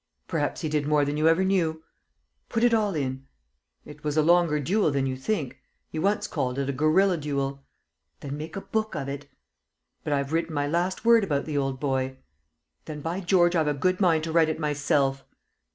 "Perhaps he did more than you ever knew." "Put it all in." "It was a longer duel than you think. He once called it a guerilla duel." "Then make a book of it." "But I've written my last word about the old boy." "Then by George I've a good mind to write it myself!"